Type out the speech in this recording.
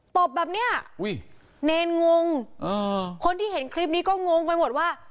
ตบแบบเนี้ยอุ้ยเนรงงคนที่เห็นคลิปนี้ก็งงไปหมดว่า